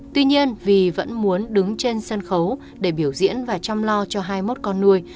tuy nhiên vì vẫn muốn đứng trên sân khấu để biểu diễn và chăm lo cho hai mươi một con nuôi